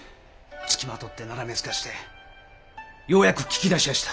つきまとってなだめすかしてようやく聞き出しやした。